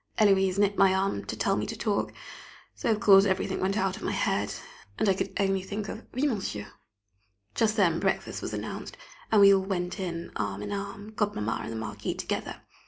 Héloise nipped my arm to tell me to talk, so of course everything went out of my head, and I could only think of "Oui, monsieur." Just then breakfast was announced, and we all went in arm in arm, Godmamma and the Marquis together.